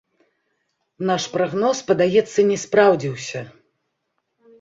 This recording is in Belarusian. Наш прагноз, падаецца, не спраўдзіўся.